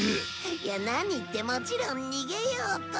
いや何ってもちろん逃げようと。